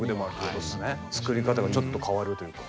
作り方がちょっと変わるというか。